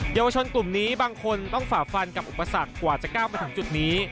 เยาวชนกลุ่มนี้บางคนต้องฝ่าฟันกับอุปสรรคกว่าจะก้าวมาถึงจุดนี้